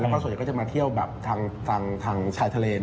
แล้วก็ส่วนใหญ่ก็จะมาเที่ยวแบบทางชายทะเล